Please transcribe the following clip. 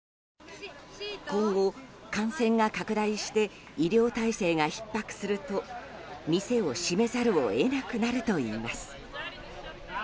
今後、感染が拡大して医療体制がひっ迫すると店を閉めざるを得なくなるといいます。